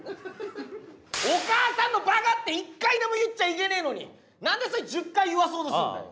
「お母さんのバカ」って１回でも言っちゃいけねえのに何でそれ１０回言わそうとすんだよ？